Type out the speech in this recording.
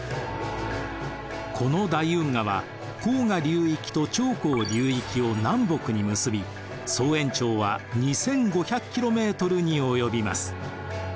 この大運河は黄河流域と長江流域を南北に結び総延長は２，５００ｋｍに及びます。